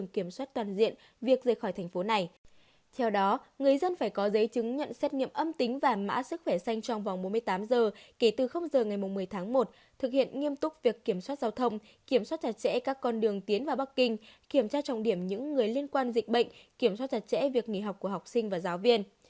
kể từ khốc giờ ngày một mươi tháng một thực hiện nghiêm túc việc kiểm soát giao thông kiểm soát chặt chẽ các con đường tiến vào bắc kinh kiểm soát trọng điểm những người liên quan dịch bệnh kiểm soát chặt chẽ việc nghỉ học của học sinh và giáo viên